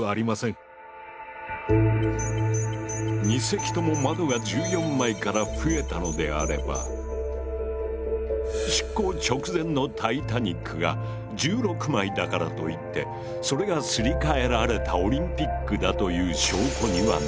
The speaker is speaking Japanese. ２隻とも窓が１４枚から増えたのであれば出航直前のタイタニックが１６枚だからといってそれがすり替えられたオリンピックだという証拠にはならない。